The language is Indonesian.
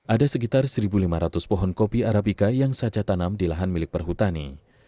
ada sekitar satu lima ratus pohon kopi arabica yang saca tanam di lahan milik perhutani